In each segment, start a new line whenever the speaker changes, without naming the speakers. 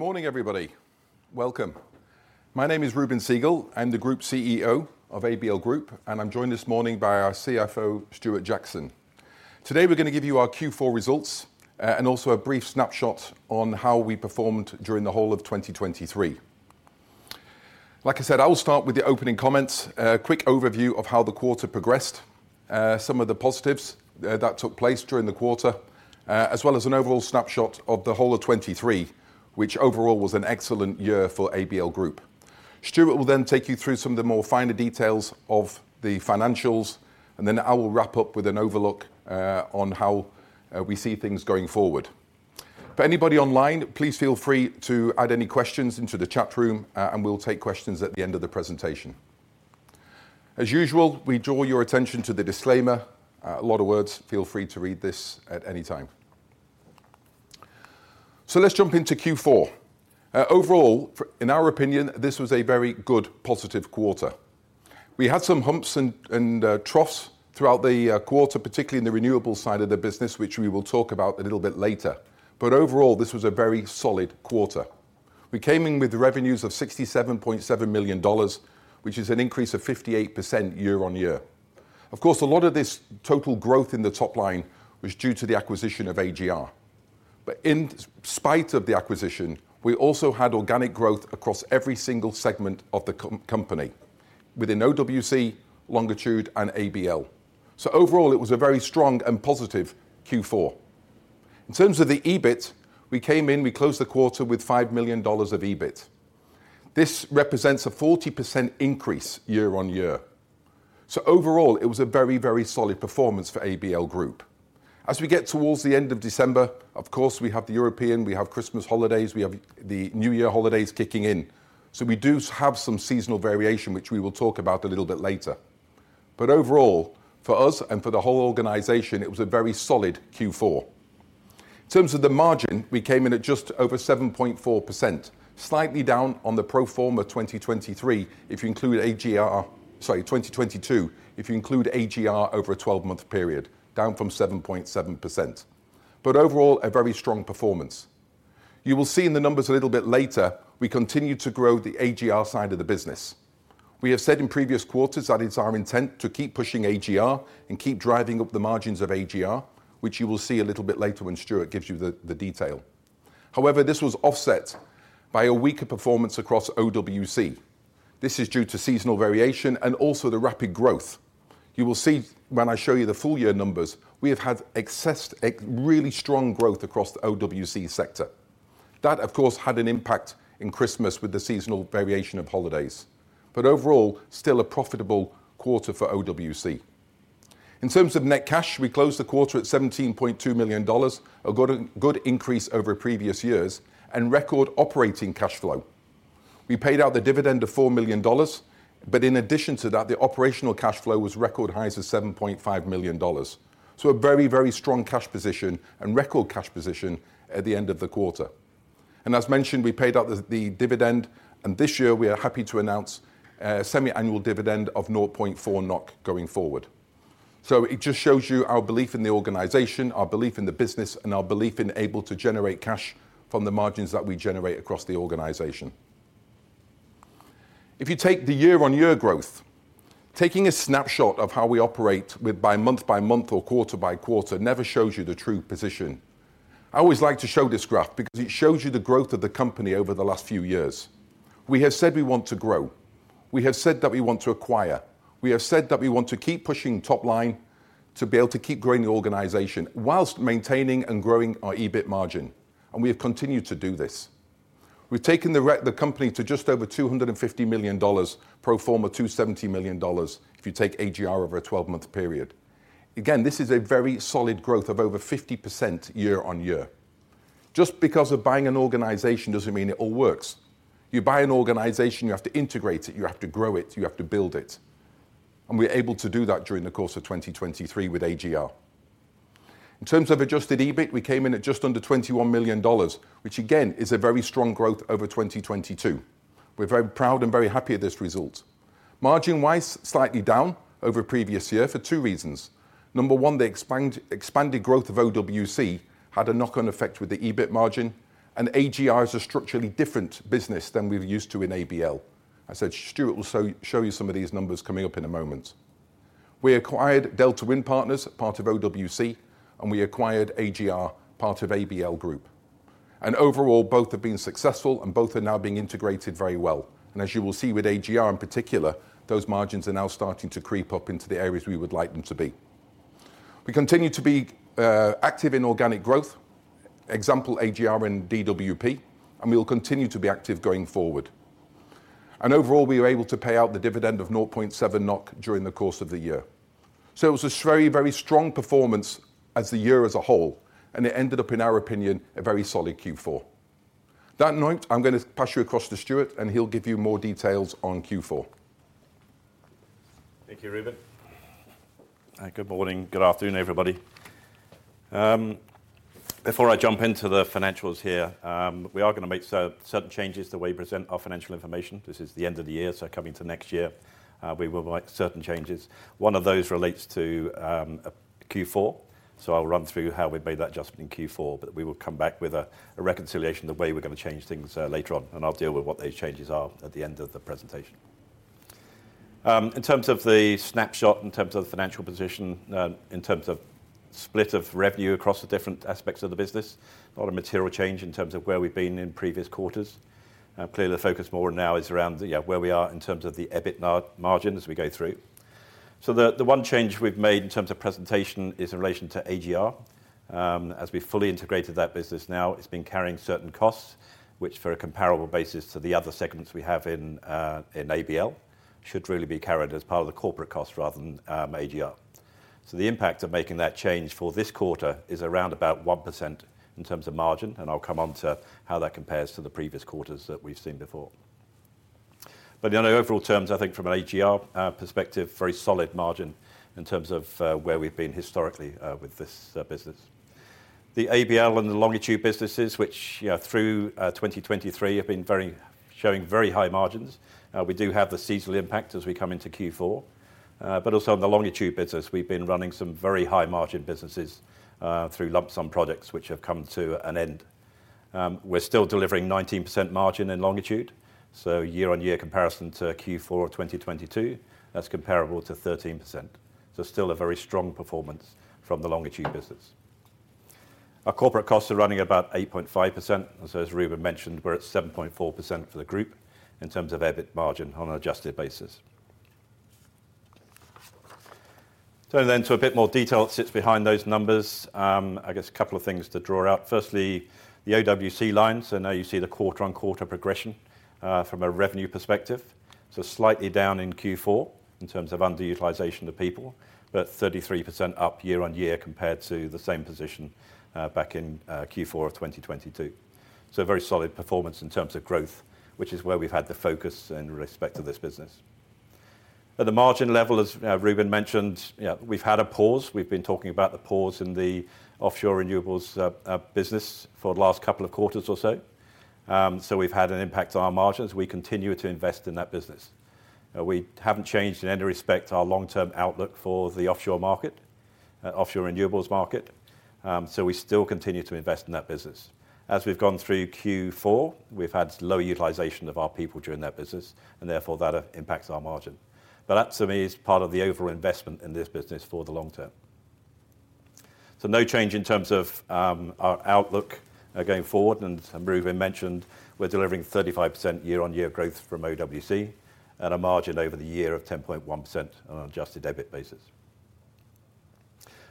Good morning, everybody. Welcome. My name is Reuben Segal. I'm the Group CEO of ABL Group, and I'm joined this morning by our CFO, Stuart Jackson. Today, we're gonna give you our Q4 results, and also a brief snapshot on how we performed during the whole of 2023. Like I said, I will start with the opening comments, a quick overview of how the quarter progressed, some of the positives that took place during the quarter, as well as an overall snapshot of the whole of 2023, which overall was an excellent year for ABL Group. Stuart will then take you through some of the more finer details of the financials, and then I will wrap up with an overlook on how we see things going forward. For anybody online, please feel free to add any questions into the chat room, and we'll take questions at the end of the presentation. As usual, we draw your attention to the disclaimer. A lot of words, feel free to read this at any time. Let's jump into Q4. Overall, for, in our opinion, this was a very good, positive quarter. We had some humps and, and, troughs throughout the quarter, particularly in the renewables side of the business, which we will talk about a little bit later. But overall, this was a very solid quarter. We came in with revenues of $67.7 million, which is an increase of 58% year-on-year. Of course, a lot of this total growth in the top line was due to the acquisition of AGR. But in spite of the acquisition, we also had organic growth across every single segment of the company, within OWC, Longitude, and ABL. So overall, it was a very strong and positive Q4. In terms of the EBIT, we came in, we closed the quarter with $5 million of EBIT. This represents a 40% increase year-on-year. So overall, it was a very, very solid performance for ABL Group. As we get towards the end of December, of course, we have the European, we have Christmas holidays, we have the New Year holidays kicking in. So we do have some seasonal variation, which we will talk about a little bit later. But overall, for us and for the whole organization, it was a very solid Q4. In terms of the margin, we came in at just over 7.4%, slightly down on the pro forma 2023, if you include AGR, sorry, 2022, if you include AGR over a 12-month period, down from 7.7%. But overall, a very strong performance. You will see in the numbers a little bit later, we continue to grow the AGR side of the business. We have said in previous quarters that it's our intent to keep pushing AGR and keep driving up the margins of AGR, which you will see a little bit later when Stuart gives you the, the detail. However, this was offset by a weaker performance across OWC. This is due to seasonal variation and also the rapid growth. You will see when I show you the full-year numbers, we have had excess, really strong growth across the OWC sector. That, of course, had an impact in Christmas with the seasonal variation of holidays, but overall, still a profitable quarter for OWC. In terms of net cash, we closed the quarter at $17.2 million, a good, good increase over previous years, and record operating cash flow. We paid out the dividend of $4 million, but in addition to that, the operational cash flow was record highs of $7.5 million. So a very, very strong cash position and record cash position at the end of the quarter. And as mentioned, we paid out the, the dividend, and this year, we are happy to announce a semi-annual dividend of 0.4 NOK going forward. It just shows you our belief in the organization, our belief in the business, and our belief in our ability to generate cash from the margins that we generate across the organization. If you take the year-over-year growth, taking a snapshot of how we operate month-by-month or quarter-by-quarter, never shows you the true position. I always like to show this graph because it shows you the growth of the company over the last few years. We have said we want to grow. We have said that we want to acquire. We have said that we want to keep pushing top line to be able to keep growing the organization while maintaining and growing our EBIT margin, and we have continued to do this. We've taken the company to just over $250 million, pro forma $270 million, if you take AGR over a 12-month period. Again, this is a very solid growth of over 50% year-on-year. Just because of buying an organization doesn't mean it all works. You buy an organization, you have to integrate it, you have to grow it, you have to build it, and we're able to do that during the course of 2023 with AGR. In terms of adjusted EBIT, we came in at just under $21 million, which again, is a very strong growth over 2022. We're very proud and very happy with this result. Margin-wise, slightly down over previous year for two reasons. Number one, the expanded growth of OWC had a knock-on effect with the EBIT margin, and AGR is a structurally different business than we're used to in ABL. I said Stuart will show you some of these numbers coming up in a moment. We acquired Delta Wind Partners, part of OWC, and we acquired AGR, part of ABL Group. And overall, both have been successful and both are now being integrated very well. And as you will see with AGR in particular, those margins are now starting to creep up into the areas we would like them to be. We continue to be active in organic growth, example, AGR and DWP, and we will continue to be active going forward. And overall, we are able to pay out the dividend of 0.7 NOK during the course of the year. It was a very, very strong performance for the year as a whole, and it ended up, in our opinion, a very solid Q4. That noted, I'm gonna pass you across to Stuart, and he'll give you more details on Q4.
Thank you, Reuben. Good morning. Good afternoon, everybody. Before I jump into the financials here, we are gonna make certain changes the way we present our financial information. This is the end of the year, so coming to next year, we will make certain changes. One of those relates to Q4, so I'll run through how we made that adjustment in Q4, but we will come back with a reconciliation the way we're gonna change things later on, and I'll deal with what those changes are at the end of the presentation. In terms of the snapshot, in terms of the financial position, in terms of split of revenue across the different aspects of the business, not a material change in terms of where we've been in previous quarters. Clearly, the focus more now is around where we are in terms of the EBIT margin as we go through. So one change we've made in terms of presentation is in relation to AGR. As we fully integrated that business now, it's been carrying certain costs, which for a comparable basis to the other segments we have in ABL, should really be carried as part of the corporate cost rather than AGR. So the impact of making that change for this quarter is around about 1% in terms of margin, and I'll come on to how that compares to the previous quarters that we've seen before. But in overall terms, I think from an AGR perspective, very solid margin in terms of where we've been historically with this business. The ABL and the Longitude businesses, which, you know, through 2023 have been showing very high margins. We do have the seasonal impact as we come into Q4. But also in the Longitude business, we've been running some very high-margin businesses through lump sum projects, which have come to an end. We're still delivering 19% margin in Longitude, so year-on-year comparison to Q4 of 2022, that's comparable to 13%. So still a very strong performance from the Longitude business. Our corporate costs are running about 8.5%, and so as Reuben mentioned, we're at 7.4% for the group in terms of EBIT margin on an adjusted basis. Turning then to a bit more detail that sits behind those numbers, I guess a couple of things to draw out. Firstly, the OWC line. So now you see the quarter-on-quarter progression from a revenue perspective. So slightly down in Q4 in terms of underutilization of people, but 33% up year-on-year compared to the same position back in Q4 of 2022. So a very solid performance in terms of growth, which is where we've had the focus in respect to this business. At the margin level, as Reuben mentioned, yeah, we've had a pause. We've been talking about the pause in the offshore renewables business for the last couple of quarters or so. So we've had an impact on our margins. We continue to invest in that business. We haven't changed in any respect our long-term outlook for the offshore market, offshore renewables market, so we still continue to invest in that business. As we've gone through Q4, we've had low utilization of our people during that business, and therefore that impacts our margin. But that, to me, is part of the overall investment in this business for the long term. So no change in terms of, our outlook, going forward, and Reuben mentioned we're delivering 35% year-on-year growth from OWC and a margin over the year of 10.1% on an adjusted EBIT basis.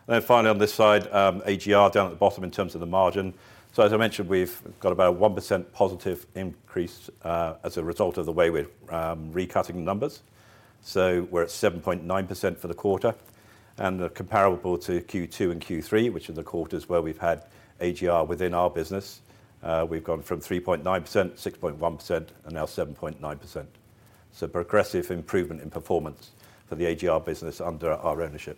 Then finally, on this side, AGR down at the bottom in terms of the margin. So as I mentioned, we've got about 1% positive increase, as a result of the way we're, recutting the numbers. So we're at 7.9% for the quarter, and comparable to Q2 and Q3, which are the quarters where we've had AGR within our business. We've gone from 3.9%, 6.1%, and now 7.9%. So progressive improvement in performance for the AGR business under our ownership.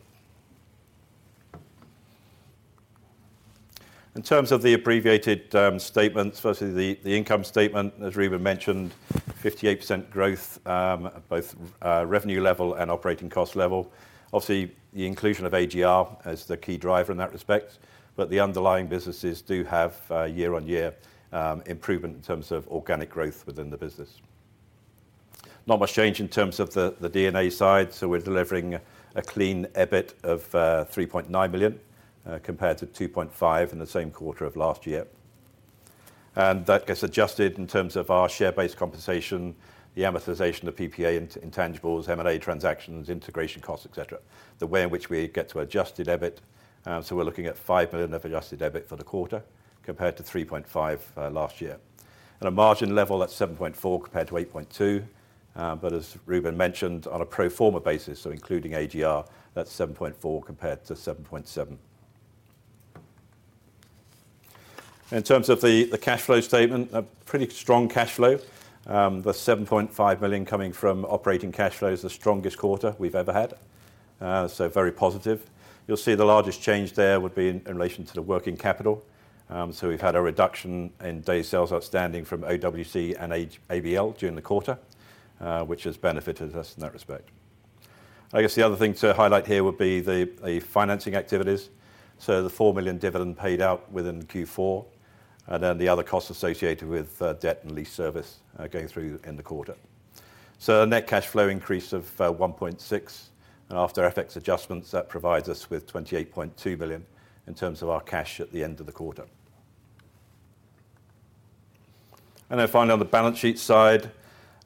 In terms of the abbreviated statements, firstly, the income statement, as Reuben mentioned, 58% growth at both revenue level and operating cost level. Obviously, the inclusion of AGR is the key driver in that respect, but the underlying businesses do have year-on-year improvement in terms of organic growth within the business. Not much change in terms of the D&A side, so we're delivering a clean EBIT of 3.9 billion compared to 2.5 billion in the same quarter of last year. That gets adjusted in terms of our share-based compensation, the amortization of PPA into intangibles, M&A transactions, integration costs, et cetera, the way in which we get to adjusted EBIT. So we're looking at 5 billion of adjusted EBIT for the quarter, compared to 3.5 billion last year. At a margin level, that's 7.4% compared to 8.2%. But as Reuben mentioned, on a pro forma basis, so including AGR, that's 7.4% compared to 7.7%. In terms of the cash flow statement, a pretty strong cash flow. The 7.5 billion coming from operating cash flow is the strongest quarter we've ever had, so very positive. You'll see the largest change there would be in relation to the working capital. So we've had a reduction in day sales outstanding from OWC and ABL during the quarter, which has benefited us in that respect. I guess the other thing to highlight here would be the financing activities. So the 4 million dividend paid out within Q4, and then the other costs associated with debt and lease service going through in the quarter. So a net cash flow increase of 1.6, and after FX adjustments, that provides us with 28.2 billion in terms of our cash at the end of the quarter. And then finally, on the balance sheet side,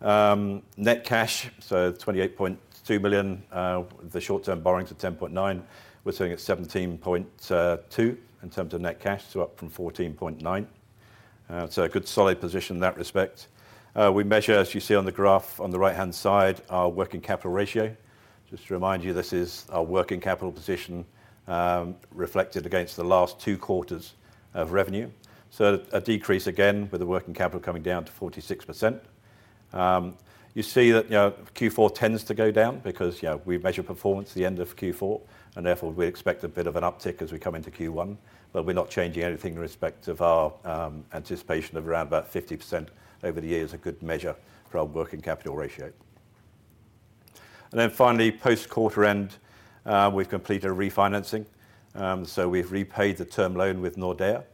net cash, so 28.2 billion, the short-term borrowings are 10.9. We're sitting at 17.2 in terms of net cash, so up from 14.9. So a good, solid position in that respect. We measure, as you see on the graph on the right-hand side, our working capital ratio. Just to remind you, this is our working capital position, reflected against the last two quarters of revenue. So a decrease again, with the working capital coming down to 46%. You see that, you know, Q4 tends to go down because, you know, we measure performance at the end of Q4, and therefore, we expect a bit of an uptick as we come into Q1, but we're not changing anything in respect of our, anticipation of around about 50% over the years, a good measure for our working capital ratio. And then finally, post-quarter end, we've completed a refinancing. So we've repaid the term loan with Nordea.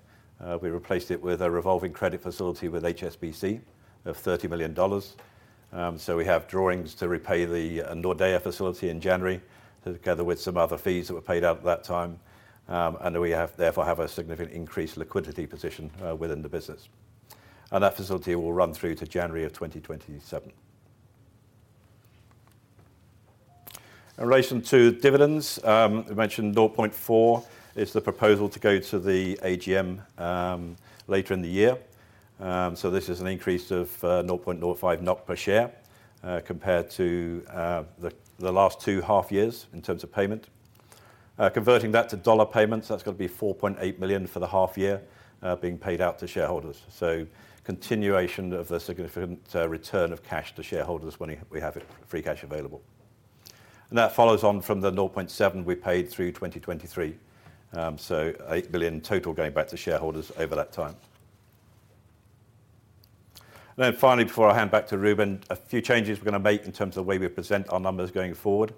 We replaced it with a revolving credit facility with HSBC of $30 million. So we have drawings to repay the Nordea facility in January, together with some other fees that were paid out at that time. And we therefore have a significant increased liquidity position within the business. And that facility will run through to January of 2027. In relation to dividends, I mentioned 0.4 is the proposal to go to the AGM later in the year. So this is an increase of 0.05 NOK per share compared to the last two half years in terms of payment. Converting that to dollar payments, that's going to be $4.8 million for the half year being paid out to shareholders. Continuation of the significant return of cash to shareholders when we have free cash available. That follows on from the 0.7 we paid through 2023, so 8 billion total going back to shareholders over that time. Finally, before I hand back to Reuben, a few changes we're going to make in terms of the way we present our numbers going forward.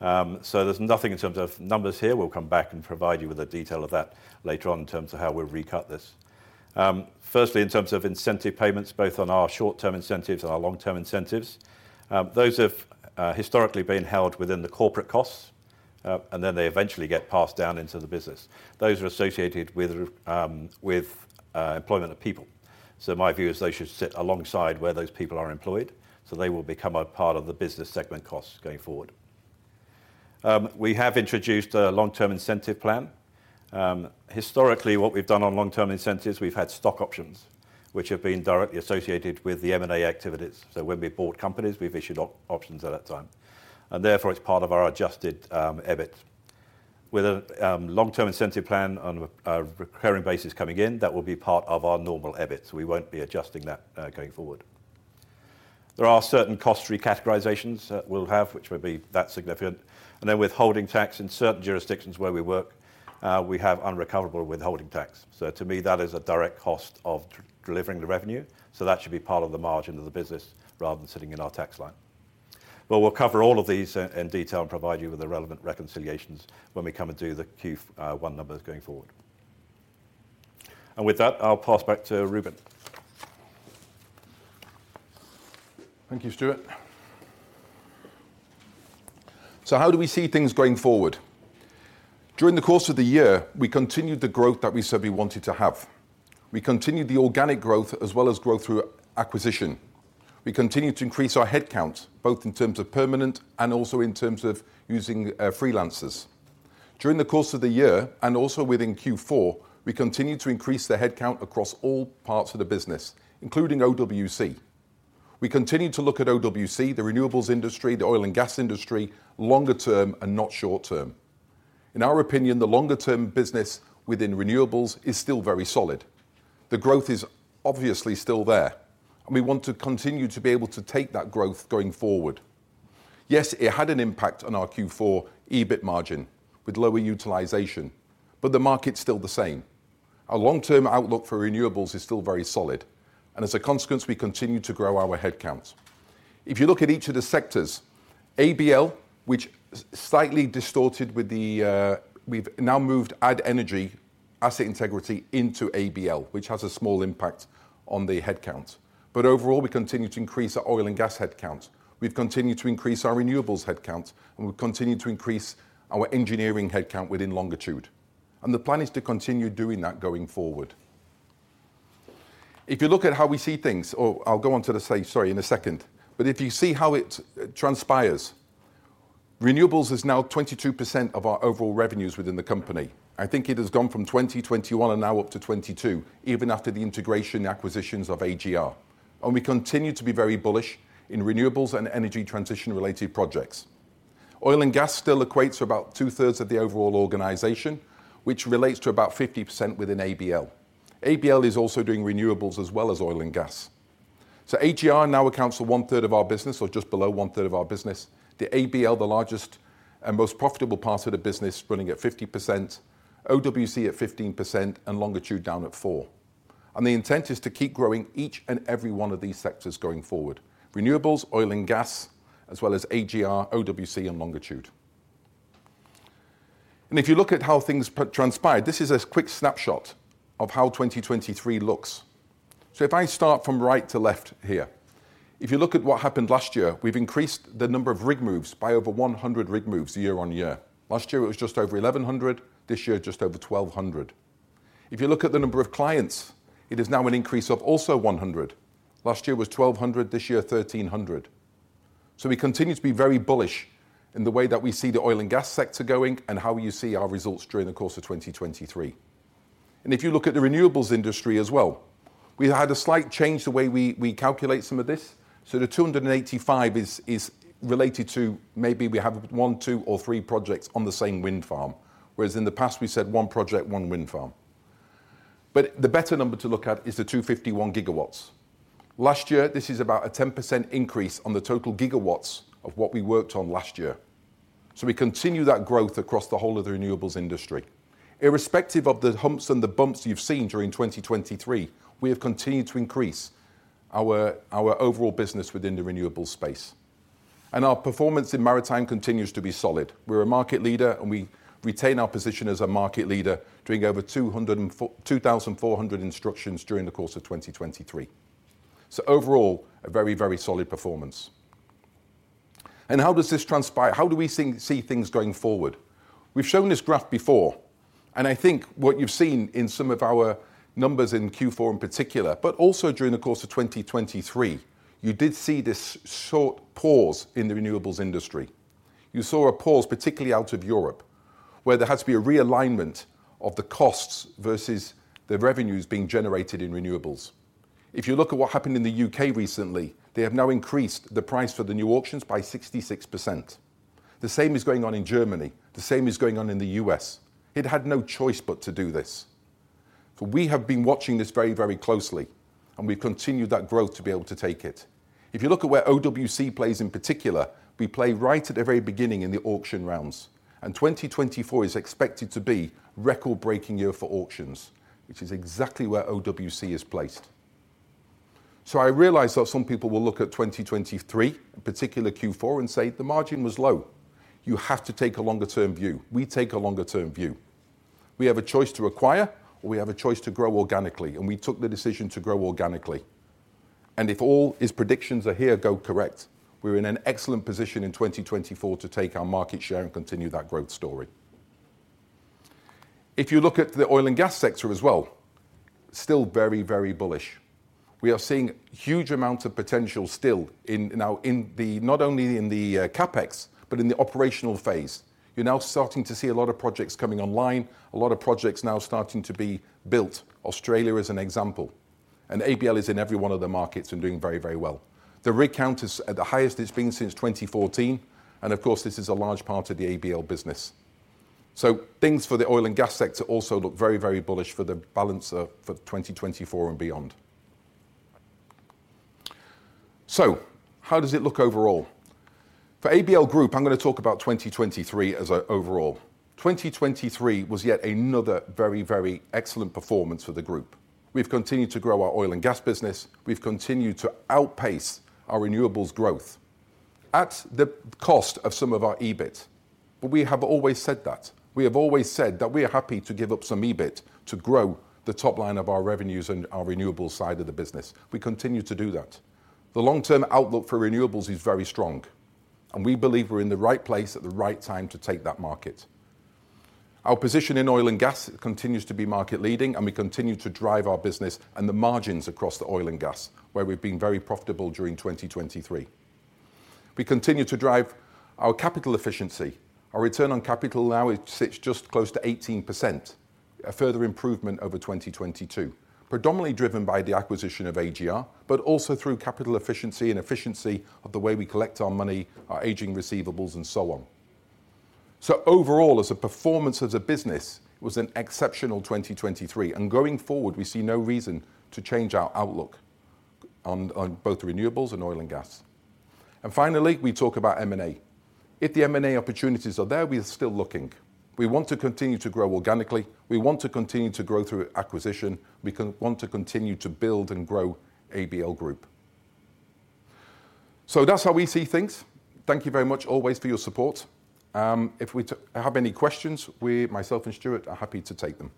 So there's nothing in terms of numbers here. We'll come back and provide you with the detail of that later on in terms of how we'll recut this. Firstly, in terms of incentive payments, both on our short-term incentives and our long-term incentives, those have historically been held within the corporate costs, and then they eventually get passed down into the business. Those are associated with employment of people. So my view is they should sit alongside where those people are employed, so they will become a part of the business segment costs going forward. We have introduced a long-term incentive plan. Historically, what we've done on long-term incentives, we've had stock options, which have been directly associated with the M&A activities. So when we bought companies, we've issued options at that time, and therefore, it's part of our adjusted EBIT. With a long-term incentive plan on a recurring basis coming in, that will be part of our normal EBIT, so we won't be adjusting that going forward. There are certain cost recategorizations that we'll have, which will be that significant, and then withholding tax in certain jurisdictions where we work, we have unrecoverable withholding tax. So to me, that is a direct cost of delivering the revenue, so that should be part of the margin of the business rather than sitting in our tax line. But we'll cover all of these in detail and provide you with the relevant reconciliations when we come and do the Q1 numbers going forward. And with that, I'll pass back to Reuben.
Thank you, Stuart. So how do we see things going forward? During the course of the year, we continued the growth that we said we wanted to have. We continued the organic growth as well as growth through acquisition. We continued to increase our headcount, both in terms of permanent and also in terms of using freelancers. During the course of the year and also within Q4, we continued to increase the headcount across all parts of the business, including OWC. We continued to look at OWC, the renewables industry, the oil and gas industry, longer term and not short term. In our opinion, the longer-term business within renewables is still very solid. The growth is obviously still there, and we want to continue to be able to take that growth going forward. Yes, it had an impact on our Q4 EBIT margin with lower utilization, but the market's still the same. Our long-term outlook for renewables is still very solid, and as a consequence, we continue to grow our headcounts. If you look at each of the sectors, ABL, which is slightly distorted with the. We've now moved Add Energy Asset Integrity into ABL, which has a small impact on the headcount. But overall, we continue to increase our oil and gas headcount. We've continued to increase our renewables headcount, and we've continued to increase our engineering headcount within Longitude, and the plan is to continue doing that going forward. If you look at how we see things, or I'll go on to the slide, sorry, in a second, but if you see how it transpires, renewables is now 22% of our overall revenues within the company. I think it has gone from 2021 and now up to 2022, even after the integration and acquisitions of AGR. And we continue to be very bullish in renewables and energy transition-related projects. Oil and gas still equates to about two-thirds of the overall organization, which relates to about 50% within ABL. ABL is also doing renewables as well as oil and gas. So AGR now accounts for 1/3 of our business, or just below 1/3 of our business. The ABL, the largest and most profitable part of the business, running at 50%, OWC at 15%, and Longitude down at 4%. And the intent is to keep growing each and every one of these sectors going forward: renewables, oil and gas, as well as AGR, OWC, and Longitude. And if you look at how things transpired, this is a quick snapshot of how 2023 looks. So if I start from right to left here, if you look at what happened last year, we've increased the number of rig moves by over 100 rig moves year-over-year. Last year, it was just over 1,100; this year, just over 1,200. If you look at the number of clients, it is now an increase of also 100. Last year was 1,200; this year, 1,300. So we continue to be very bullish in the way that we see the oil and gas sector going and how you see our results during the course of 2023. And if you look at the renewables industry as well, we had a slight change the way we, we calculate some of this. So the 285 is related to maybe we have one, two, or three projects on the same wind farm, whereas in the past, we said one project, one wind farm. But the better number to look at is the 251 GW. Last year, this is about a 10% increase on the total gigawatts of what we worked on last year. So we continue that growth across the whole of the renewables industry. Irrespective of the humps and the bumps you've seen during 2023, we have continued to increase our overall business within the renewables space... and our performance in maritime continues to be solid. We're a market leader, and we retain our position as a market leader, doing over 2,400 instructions during the course of 2023. So overall, a very, very solid performance. How does this transpire? How do we see, see things going forward? We've shown this graph before, and I think what you've seen in some of our numbers in Q4 in particular, but also during the course of 2023, you did see this short pause in the renewables industry. You saw a pause, particularly out of Europe, where there had to be a realignment of the costs versus the revenues being generated in renewables. If you look at what happened in the U.K. recently, they have now increased the price for the new auctions by 66%. The same is going on in Germany. The same is going on in the U.S. It had no choice but to do this. So we have been watching this very, very closely, and we've continued that growth to be able to take it. If you look at where OWC plays in particular, we play right at the very beginning in the auction rounds, and 2024 is expected to be record-breaking year for auctions, which is exactly where OWC is placed. So I realize that some people will look at 2023, in particular Q4, and say, "The margin was low." You have to take a longer-term view. We take a longer-term view. We have a choice to acquire, or we have a choice to grow organically, and we took the decision to grow organically. And if all his predictions are to go correct, we're in an excellent position in 2024 to take our market share and continue that growth story. If you look at the oil and gas sector as well, still very, very bullish. We are seeing huge amounts of potential still in, now in the, not only in the, CapEx, but in the operational phase. You're now starting to see a lot of projects coming online, a lot of projects now starting to be built. Australia is an example, and ABL is in every one of the markets and doing very, very well. The rig count is at the highest it's been since 2014, and of course, this is a large part of the ABL business. So things for the oil and gas sector also look very, very bullish for the balance of, for 2024 and beyond. So how does it look overall? For ABL Group, I'm gonna talk about 2023 as a overall. 2023 was yet another very, very excellent performance for the group. We've continued to grow our oil and gas business. We've continued to outpace our renewables growth at the cost of some of our EBIT. But we have always said that. We have always said that we are happy to give up some EBIT to grow the top line of our revenues and our renewables side of the business. We continue to do that. The long-term outlook for renewables is very strong, and we believe we're in the right place at the right time to take that market. Our position in oil and gas continues to be market leading, and we continue to drive our business and the margins across the oil and gas, where we've been very profitable during 2023. We continue to drive our capital efficiency. Our return on capital now it sits just close to 18%, a further improvement over 2022, predominantly driven by the acquisition of AGR, but also through capital efficiency and efficiency of the way we collect our money, our aging receivables, and so on. So overall, as a performance as a business, it was an exceptional 2023, and going forward, we see no reason to change our outlook on, on both renewables and oil and gas. And finally, we talk about M&A. If the M&A opportunities are there, we are still looking. We want to continue to grow organically. We want to continue to grow through acquisition. We want to continue to build and grow ABL Group. So that's how we see things. Thank you very much always for your support. If we too have any questions, we, myself and Stuart, are happy to take them.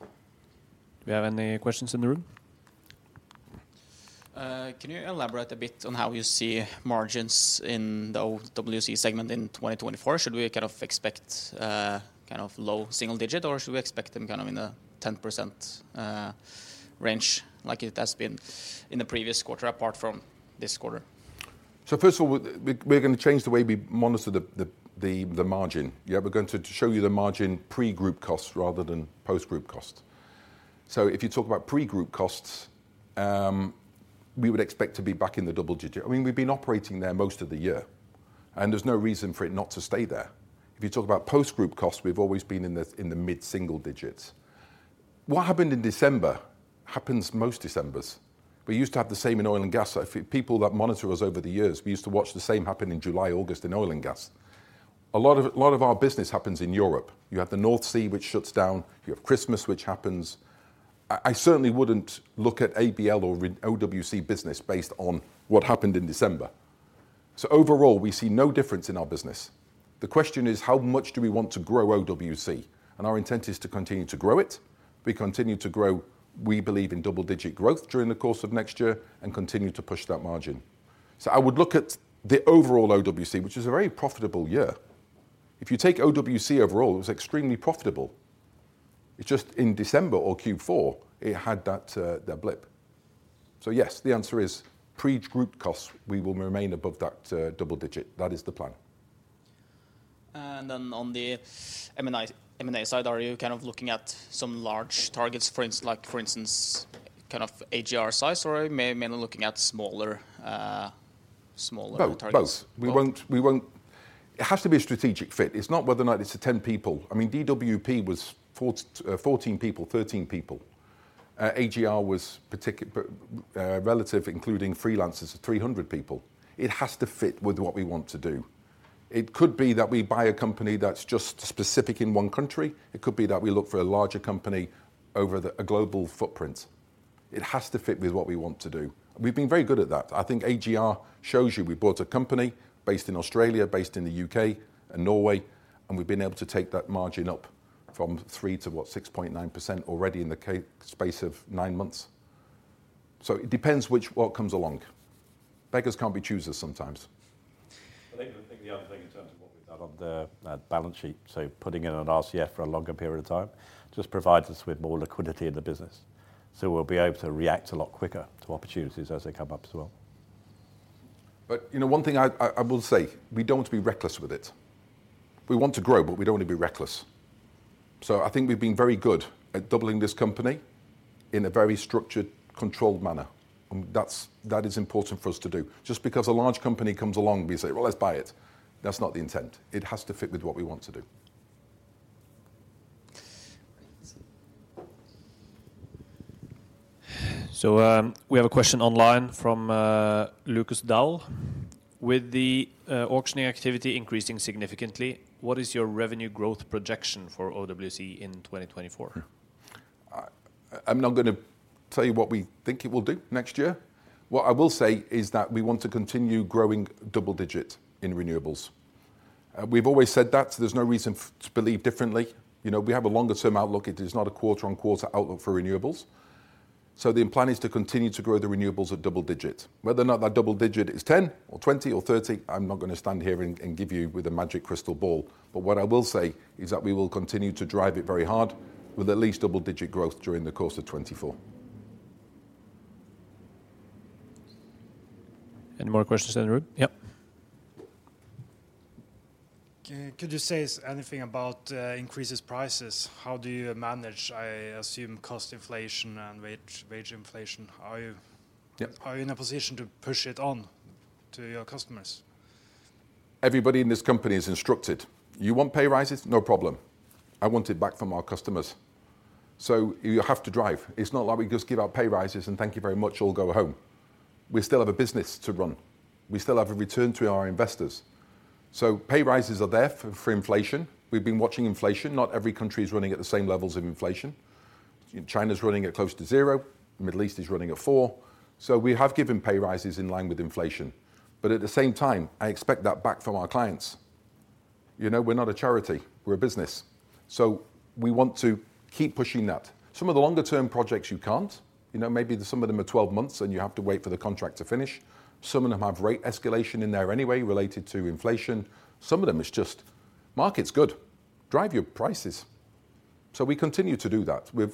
Do you have any questions in the room?
Can you elaborate a bit on how you see margins in the OWC segment in 2024? Should we kind of expect kind of low single digit, or should we expect them kind of in the 10% range, like it has been in the previous quarter, apart from this quarter?
So first of all, we're gonna change the way we monitor the margin. Yeah, we're going to show you the margin pre-group costs rather than post-group costs. So if you talk about pre-group costs, we would expect to be back in the double digit. I mean, we've been operating there most of the year, and there's no reason for it not to stay there. If you talk about post-group costs, we've always been in the mid-single digits. What happened in December happens most Decembers. We used to have the same in oil and gas. So for people that monitor us over the years, we used to watch the same happen in July, August in oil and gas. A lot of our business happens in Europe. You have the North Sea, which shuts down. You have Christmas, which happens. I certainly wouldn't look at ABL or OWC business based on what happened in December. So overall, we see no difference in our business. The question is: how much do we want to grow OWC? And our intent is to continue to grow it. We continue to grow, we believe in double-digit growth during the course of next year and continue to push that margin. So I would look at the overall OWC, which is a very profitable year. If you take OWC overall, it was extremely profitable. It's just in December or Q4, it had that, that blip. So yes, the answer is, pre-group costs, we will remain above that, double digit. That is the plan.
And then on the M&A side, are you kind of looking at some large targets, for instance, kind of AGR size, or mainly looking at smaller, smaller targets?
Both. Both.
Both?
We won't, we won't. It has to be a strategic fit. It's not whether or not it's 10 people. I mean, DWP was 14, 14 people, 13 people. AGR was relative, including freelancers, of 300 people. It has to fit with what we want to do. It could be that we buy a company that's just specific in one country. It could be that we look for a larger company over the, a global footprint. It has to fit with what we want to do. We've been very good at that. I think AGR shows you we bought a company based in Australia, based in the U.K. and Norway, and we've been able to take that margin up from 3 to, what, 6.9% already in the space of 9 months. So it depends which, what comes along. Beggars can't be choosers sometimes.
I think the other thing in terms of what we've done on the balance sheet, so putting in an RCF for a longer period of time, just provides us with more liquidity in the business. So we'll be able to react a lot quicker to opportunities as they come up as well.
But, you know, one thing I will say, we don't want to be reckless with it. We want to grow, but we don't want to be reckless. So I think we've been very good at doubling this company in a very structured, controlled manner, and that's, that is important for us to do. Just because a large company comes along and we say, "Well, let's buy it," that's not the intent. It has to fit with what we want to do.
We have a question online from Lukas Daul. With the auctioning activity increasing significantly, what is your revenue growth projection for OWC in 2024?
I'm not gonna tell you what we think it will do next year. What I will say is that we want to continue growing double-digit in renewables. We've always said that, so there's no reason to believe differently. You know, we have a longer-term outlook. It is not a quarter-on-quarter outlook for renewables. So the plan is to continue to grow the renewables at double-digit. Whether or not that double-digit is 10 or 20 or 30, I'm not gonna stand here and give you with a magic crystal ball. But what I will say is that we will continue to drive it very hard with at least double-digit growth during the course of 2024.
Any more questions in the room? Yeah.
Could you say anything about increases prices? How do you manage, I assume, cost inflation and wage inflation? Are you-
Yep
are you in a position to push it on to your customers?
Everybody in this company is instructed. You want pay raises? No problem. I want it back from our customers. So you have to drive. It's not like we just give out pay raises, and thank you very much, all go home. We still have a business to run. We still have a return to our investors. So pay raises are there for, for inflation. We've been watching inflation. Not every country is running at the same levels of inflation. China's running at close to 0%, Middle East is running at 4%. So we have given pay raises in line with inflation. But at the same time, I expect that back from our clients. You know, we're not a charity, we're a business, so we want to keep pushing that. Some of the longer-term projects, you can't. You know, maybe some of them are 12 months, and you have to wait for the contract to finish. Some of them have rate escalation in there anyway related to inflation. Some of them, it's just market's good. Drive your prices. So we continue to do that. We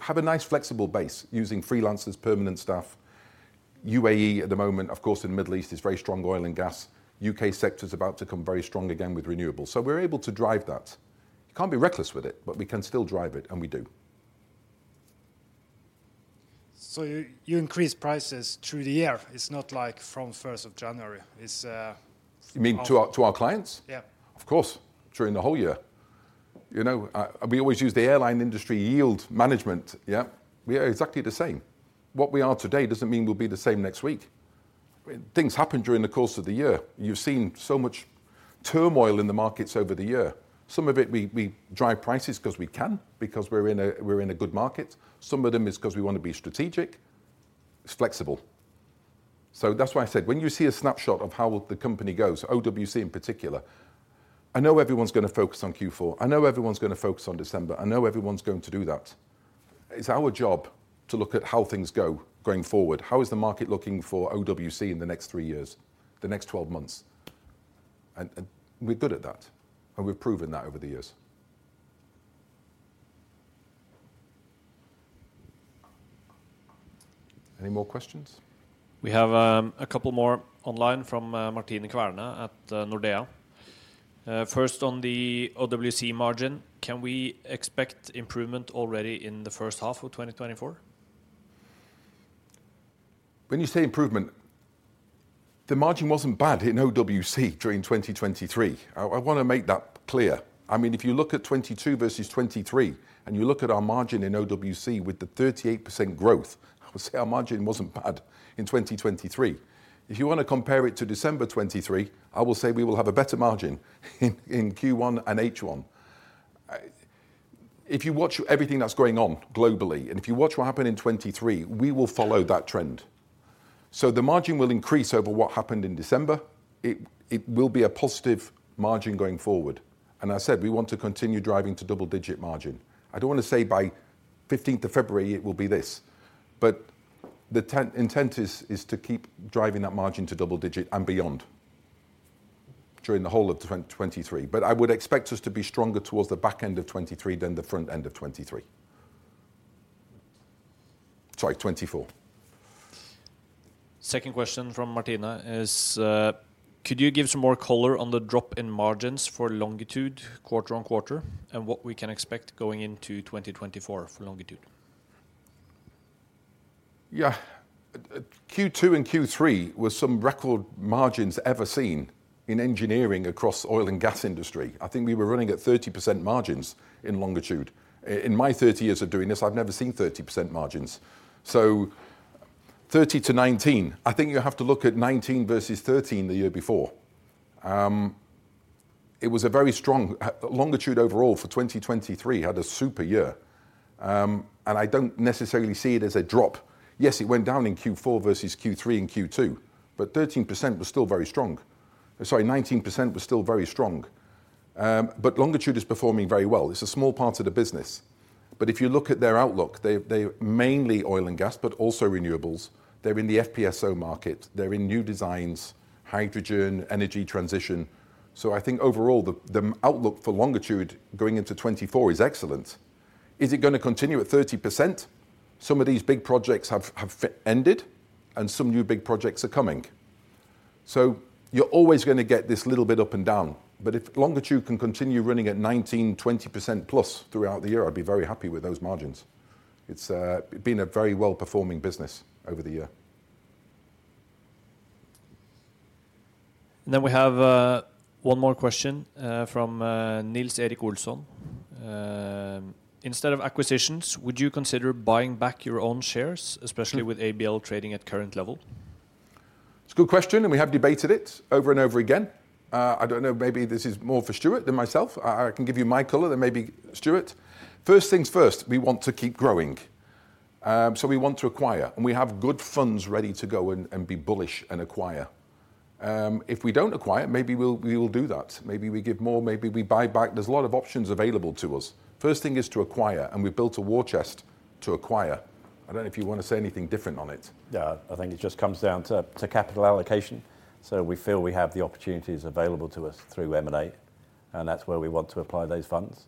have a nice, flexible base using freelancers, permanent staff. UAE, at the moment, of course, in the Middle East, is very strong oil and gas. U.K. sector is about to come very strong again with renewables, so we're able to drive that. You can't be reckless with it, but we can still drive it, and we do.
So you, you increase prices through the year. It's not like from first of January, it's
You mean to our, to our clients?
Yeah.
Of course, during the whole year. You know, we always use the airline industry yield management. Yeah, we are exactly the same. What we are today doesn't mean we'll be the same next week. Things happen during the course of the year. You've seen so much turmoil in the markets over the year. Some of it, we drive prices 'cause we can, because we're in a, we're in a good market. Some of them is 'cause we want to be strategic. It's flexible. So that's why I said, when you see a snapshot of how the company goes, OWC in particular, I know everyone's gonna focus on Q4. I know everyone's gonna focus on December. I know everyone's going to do that. It's our job to look at how things go going forward. How is the market looking for OWC in the next 3 years, the next 12 months? And, and we're good at that, and we've proven that over the years. Any more questions?
We have a couple more online from Martine Kverne at Nordea. First, on the OWC margin, can we expect improvement already in the first half of 2024?
When you say improvement, the margin wasn't bad in OWC during 2023. I wanna make that clear. I mean, if you look at 2022 versus 2023, and you look at our margin in OWC with the 38% growth, I would say our margin wasn't bad in 2023. If you wanna compare it to December 2023, I will say we will have a better margin in Q1 and H1. If you watch everything that's going on globally, and if you watch what happened in 2023, we will follow that trend. So the margin will increase over what happened in December. It will be a positive margin going forward. And I said, we want to continue driving to double-digit margin. I don't wanna say by 15th of February it will be this, but the intent is to keep driving that margin to double digit and beyond during the whole of 2023. But I would expect us to be stronger towards the back end of 2023 than the front end of 2023. Sorry, 2024.
Second question from Martine is: Could you give some more color on the drop in margins for Longitude quarter-over-quarter, and what we can expect going into 2024 for Longitude?
Yeah. Q2 and Q3 were some record margins ever seen in engineering across oil and gas industry. I think we were running at 30% margins in Longitude. In my 30 years of doing this, I've never seen 30% margins. So, 30%-19%. I think you have to look at 19 versus 13 the year before. It was a very strong Longitude overall for 2023 had a super year. And I don't necessarily see it as a drop. Yes, it went down in Q4 versus Q3 and Q2, but 13% was still very strong. Sorry, 19% was still very strong. But Longitude is performing very well. It's a small part of the business, but if you look at their outlook, they mainly oil and gas, but also renewables. They're in the FPSO market. They're in new designs, hydrogen, energy transition. So I think overall, the outlook for Longitude going into 2024 is excellent. Is it going to continue at 30%? Some of these big projects have ended, and some new big projects are coming. So you're always going to get this little bit up and down. But if Longitude can continue running at 19%-20%+ throughout the year, I'd be very happy with those margins. It's been a very well-performing business over the year.
And then we have one more question from Nils-Erik Olsson. Instead of acquisitions, would you consider buying back your own shares, especially with ABL trading at current level?
It's a good question, and we have debated it over and over again. I don't know, maybe this is more for Stuart than myself. I can give you my color, then maybe Stuart. First things first, we want to keep growing. So we want to acquire, and we have good funds ready to go and be bullish and acquire. If we don't acquire, maybe we'll do that. Maybe we give more, maybe we buy back. There's a lot of options available to us. First thing is to acquire, and we built a war chest to acquire. I don't know if you want to say anything different on it.
Yeah, I think it just comes down to capital allocation. So we feel we have the opportunities available to us through M&A, and that's where we want to apply those funds.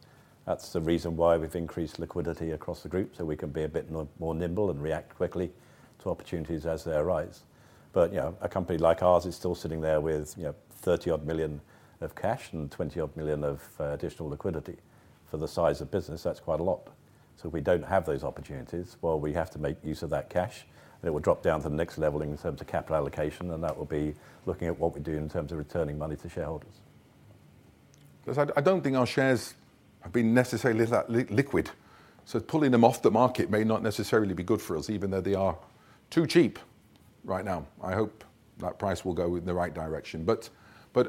That's the reason why we've increased liquidity across the group, so we can be a bit more nimble and react quickly to opportunities as they arise. But, you know, a company like ours is still sitting there with, you know, 30-odd million of cash and 20-odd million of additional liquidity. For the size of business, that's quite a lot. So if we don't have those opportunities, well, we have to make use of that cash, and it will drop down to the next level in terms of capital allocation, and that will be looking at what we do in terms of returning money to shareholders.
Because I don't think our shares have been necessarily that liquid, so pulling them off the market may not necessarily be good for us, even though they are too cheap right now. I hope that price will go in the right direction. But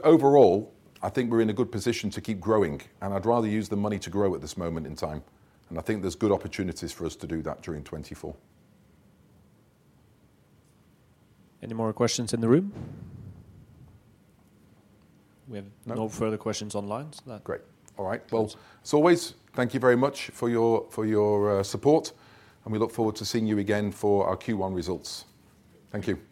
overall, I think we're in a good position to keep growing, and I'd rather use the money to grow at this moment in time, and I think there's good opportunities for us to do that during 2024.
Any more questions in the room? We have no further questions online.
Great. All right. Well, as always, thank you very much for your support, and we look forward to seeing you again for our Q1 results. Thank you.